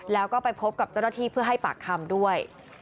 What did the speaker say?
แล้วก็ไปพบกับเจ้าหน้าที่เพื่อให้ปากคำด้วย